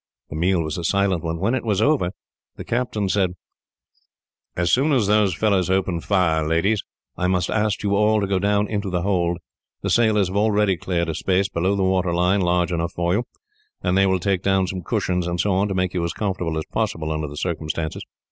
The meal was a silent one. When it was over, the captain said: "As soon as those fellows open fire, ladies, I must ask you all to go down into the hold. The sailors have already cleared a space, below the waterline, large enough for you; and they will take down some cushions, and so on, to make you as comfortable as possible, under the circumstances.